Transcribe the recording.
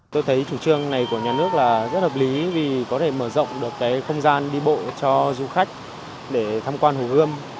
tôi thấy chủ trương này của nhà nước là rất hợp lý vì có thể mở rộng được cái không gian đi bộ cho du khách để tham quan hồ gươm